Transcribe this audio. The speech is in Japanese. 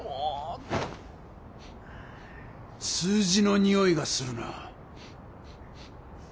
数字のにおいがするな。